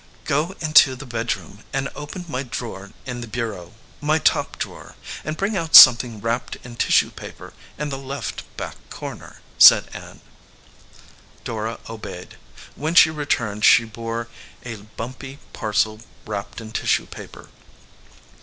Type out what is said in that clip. "Go into the bedroom and open my drawer in the bureau, my top drawer, and bring out something wrapped in tissue paper in the left back corner," said Ann. Dora obeyed. When she returned, she bore a bumpy parcel wrapped in tissue paper.